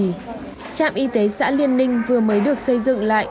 trạm y tế xã liên ninh vừa mới được xây dựng lại